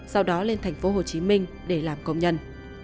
sau đó lên tp hcm để làm công nhân